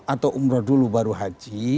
atau umroh dulu baru haji